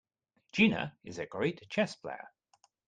Gina is a great chess player.